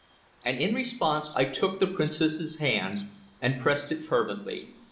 And in response I took the Princess's hand and pressed it fervently.